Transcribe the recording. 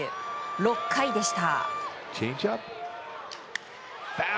６回でした。